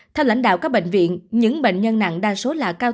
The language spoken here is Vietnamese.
theo lãnh đạo các bệnh viện những bệnh nhân nặng đa số là cao